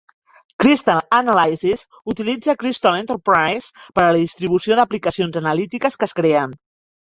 Crystal Analysis utilitza Crystal Enterprise per a la distribució d'aplicacions analítiques que es creen.